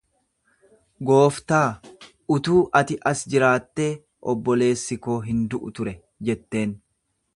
Gooftaa, utuu ati as jiraattee obboleessi koo hin du'u ture jetteen.